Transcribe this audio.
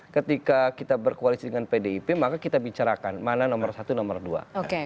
ketika kita berkoalisi dengan pdip maka kita bicarakan mana nomor satu nomor dua